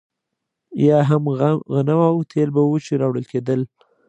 یا هم غنم او تېل به وو چې راوړل کېدل.